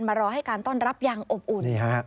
รอให้การต้อนรับอย่างอบอุ่น